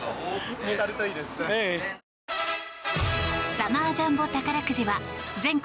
サマージャンボ宝くじは全国